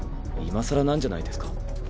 今更なんじゃないですか？